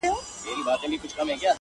• په موږک پسي جوړ کړی یې هی هی وو,